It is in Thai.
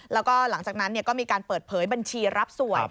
แล้วก็หลังจากนั้นก็มีการเปิดเผยบัญชีรับสวย